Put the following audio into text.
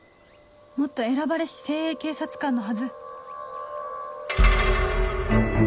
もっと選ばれし精鋭警察官のはず